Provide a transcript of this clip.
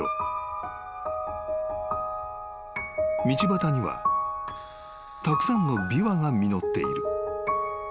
［道端にはたくさんのビワが実っている］